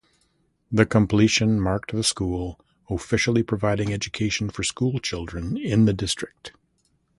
The completion marked the school officially providing education for school children in the district.